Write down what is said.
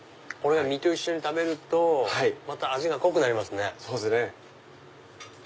身と一緒に食べるとまた味が濃くなりますね。